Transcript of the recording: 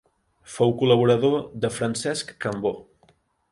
Fou col·laborador de Francesc Cambó.